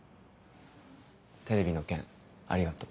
テレビの件ありがとう。